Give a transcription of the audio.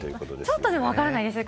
ちょっとでもわからないですね。